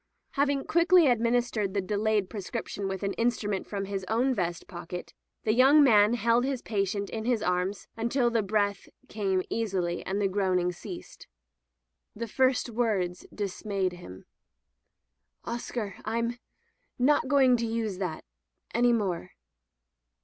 Having quickly administered the delayed prescription with an instrument from his own vest pocket, the young man held his patient in his arms until the breath came easily and the groaning ceased. The first words dismayed him. *' Oscar, Fm — ^not going to use that — any more."